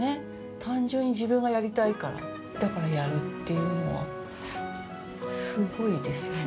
単純に自分がやりたいから、だからやるっていうのは、すごいですよね。